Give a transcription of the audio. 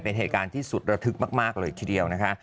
เป็นเหตุการณ์ที่สุดระทึกมากเลยทีเดียวนะคะ